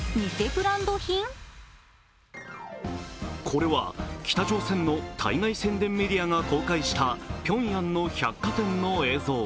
これは、北朝鮮の対外宣伝メディアが公開したピョンヤンの百貨店の映像。